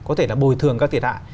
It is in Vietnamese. có thể là bồi thường các thiệt hại